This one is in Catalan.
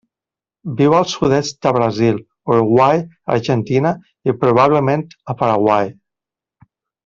Viu al sud-est de Brasil, Uruguai, Argentina i probablement a Paraguai.